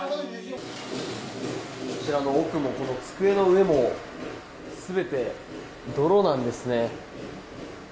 こちらの奥もこの机の上も全て、泥なんですね。